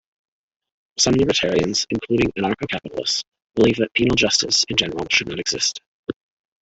Some libertarians, including anarcho-capitalists, believe that penal justice in general should not exist.